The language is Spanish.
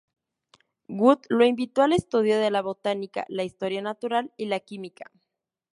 Wood le invitó al estudio de la botánica, la historia natural y la química.